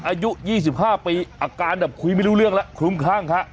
อายุ๒๕ปีอาการแบบคุยไม่รู้เรื่องแล้วคลุมคลั่งฮะ